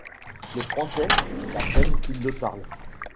Le français, c’est à peine s’il le parle.